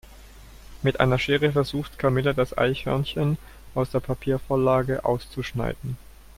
Mit einer Schere versucht Camilla das Eichhörnchen aus der Papiervorlage auszuschneiden.